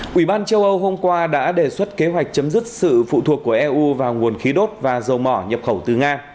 quỹ ban châu âu hôm qua đã đề xuất kế hoạch chấm dứt sự phụ thuộc của eu vào nguồn khí đốt và dầu mỏ nhập khẩu từ nga